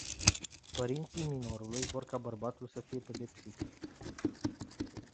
Părinții minorului vor ca bărbatul să fie pedepsit.